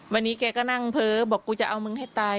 วันนี้แกก็นั่งเพ้อบอกกูจะเอามึงให้ตาย